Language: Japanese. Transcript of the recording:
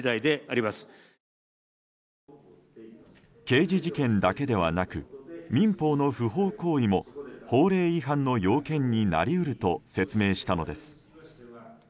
刑事事件だけではなく民法の不法行為も法令違反の要件になり得ると説明したのです。